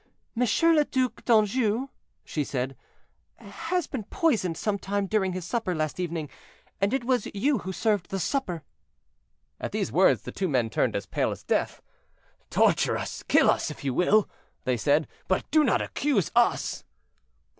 "Monsieur le Duc d'Anjou," she said, "has been poisoned some time during his supper last evening; and it was you who served the supper." At these words the two men turned as pale as death. "Torture us, kill us, if you will," they said; "but do not accuse us."